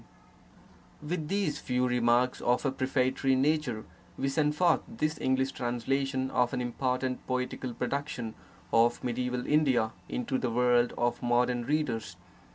6 VAIRAGYA SATAKAM With these few remarks of a prefatory nature, we send forth this English translation of an important poetical production of Medieval India into the world of modern readers.